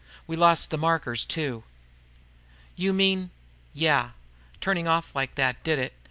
"We lost the markers, too." "You mean...?" "Yeah. Turning off like that did it.